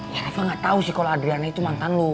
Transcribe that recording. ya reva gak tau sih kalo adriana itu mantan lo